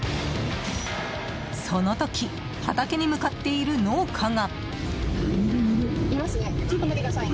その時畑に向かっている農家が。